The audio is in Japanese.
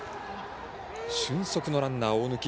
俊足のランナー、大貫。